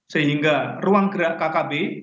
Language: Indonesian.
sehingga ruang gerak kkb